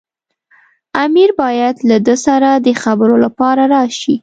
امیر باید له ده سره د خبرو لپاره راشي.